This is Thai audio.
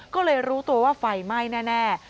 ก็เลยรู้ตัวว่าไฟไหม้แน่